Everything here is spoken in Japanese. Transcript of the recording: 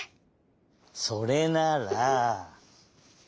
それなら。